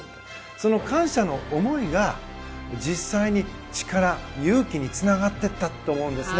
その感謝の思いが実際に力、勇気につながっていったと思うんですね。